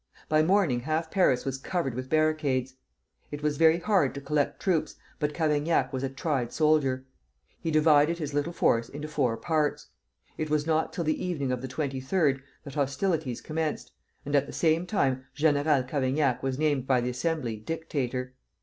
By morning half Paris was covered with barricades. It was very hard to collect troops, but Cavaignac was a tried soldier. He divided his little force into four parts. It was not till the evening of the 23d that hostilities commenced, and at the same time General Cavaignac was named by the Assembly dictator.